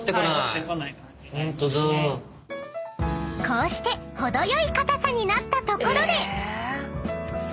［こうして程よい硬さになったところで］